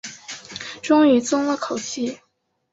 终于松了口气